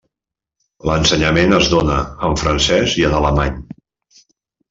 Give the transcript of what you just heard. L'ensenyament es dóna en francès i en alemany.